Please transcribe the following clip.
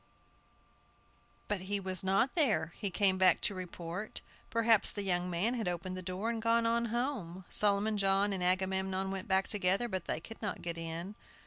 But he was not there! He came back to report. Perhaps the young man had opened the door and gone on home. Solomon John and Agamemnon went back together, but they could not get in.